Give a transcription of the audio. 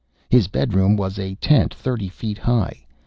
His bedroom was a tent thirty feet high.